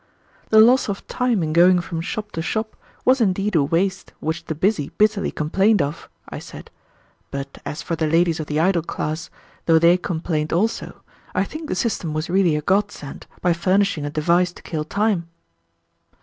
"The loss of time in going from shop to shop was indeed a waste which the busy bitterly complained of," I said; "but as for the ladies of the idle class, though they complained also, I think the system was really a godsend by furnishing a device to kill time."